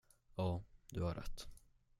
Ja, du har rätt.